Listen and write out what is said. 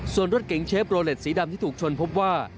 ส่วนรถเก๋งเชฟโรเล็ตสีดำที่ถูกชนพบว่า